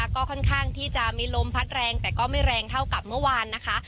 ก็ค่อนข้างที่จะมีลมพัดแรงแต่ก็ไม่แรงเท่ากับเมื่อวานนะคะ